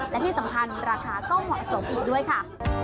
และที่สำคัญราคาก็เหมาะสมอีกด้วยค่ะ